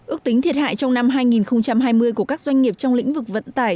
ước tính thiệt hại trong năm hai nghìn hai mươi của các doanh nghiệp trong lĩnh vực vận tải